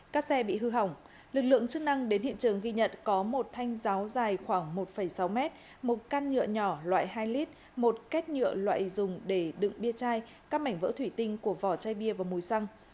các xe bị hư hỏng lực lượng chức năng đến hiện trường ghi nhận có một thanh ráo dài khoảng một sáu mét một căn nhựa nhỏ loại hai lít một két nhựa loại dùng để đựng bia chai các mảnh vỡ thủy tinh của vỏ chai bia và mùi xăng